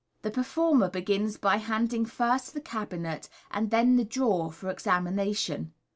The performer be^i'i^ by handing first the cabinet and then the 4rawer for examination.